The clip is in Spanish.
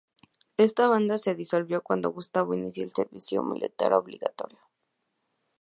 Esta banda se disolvió cuando Gustavo inició el servicio militar obligatorio.